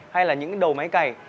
hay là những cái đầu máy cày